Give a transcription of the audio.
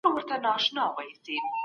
او پخپله نا آشنا ده